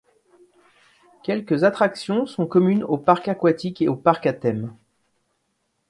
Quelques attractions sont communes au Parc Aquatique et au Parc à Thème.